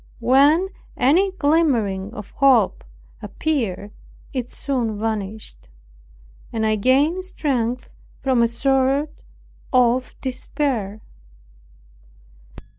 When any glimmering of hope appeared, it soon vanished; and I gained strength from a sort of despair.